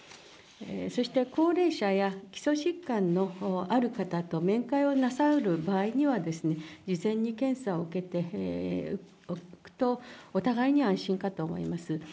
そして高齢者や基礎疾患のある方と面会をなさる場合には、事前に検査を受けておくと、お互いに安心かと思います。